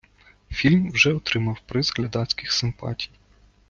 Фільм вже отримав приз глядацьких симпатій.